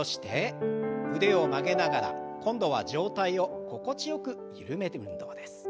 腕を曲げながら今度は上体を心地よく緩める運動です。